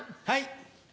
はい。